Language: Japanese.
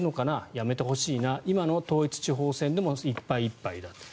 やめてほしいな今の統一地方選でもいっぱいいっぱいだと。